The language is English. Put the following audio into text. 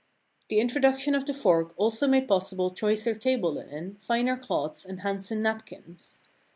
The introduction of the fork also made possible choicer table linen, finer cloths, and handsome nap kins.